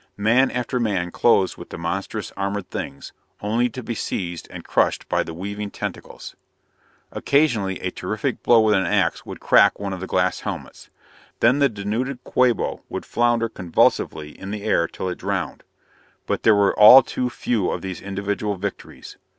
Man after man closed with the monstrous, armored Things only to be seized and crushed by the weaving tentacles. Occasionally a terrific blow with an ax would crack one of the glass helmets. Then the denuded Quabo would flounder convulsively in the air till it drowned. But there were all too few of these individual victories.